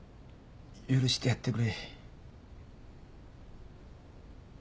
許してやってくれ。